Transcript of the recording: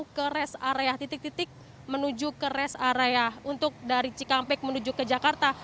menuju ke rest area titik titik menuju ke rest area untuk dari cikampek menuju ke jakarta